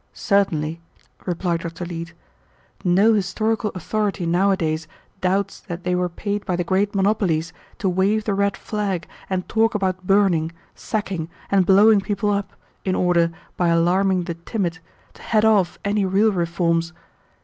"Certainly," replied Dr. Leete. "No historical authority nowadays doubts that they were paid by the great monopolies to wave the red flag and talk about burning, sacking, and blowing people up, in order, by alarming the timid, to head off any real reforms.